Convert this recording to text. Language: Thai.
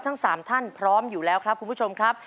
ทั้ง๓ท่านพร้อมอยู่แล้วครับคุณผู้ชมครับ